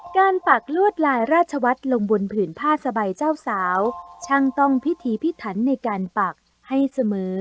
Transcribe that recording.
ปักลวดลายราชวัฒน์ลงบนผื่นผ้าสบายเจ้าสาวช่างต้องพิธีพิถันในการปักให้เสมอ